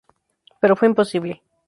Pero fue imposible.